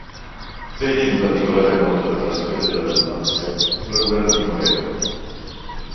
Degna di particolare nota per la storia della Dalmazia fu la Guerra di Morea.